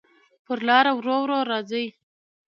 پر لاره ورو، ورو راځې